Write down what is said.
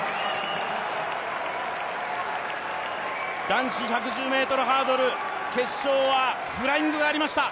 男子１１０ｍハードル決勝はフライングがありました。